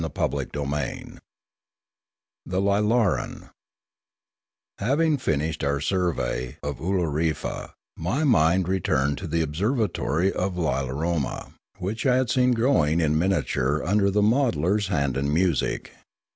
CHAPTER XIII THE ULARAN HAVING finished our survey of Oolorefa, my mind returned to the observatory for Li 1 aroma, which I had seen growing in miniature under the modeller's hand and music.